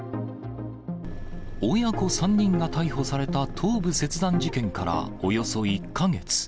親子３人が逮捕された頭部切断事件からおよそ１か月。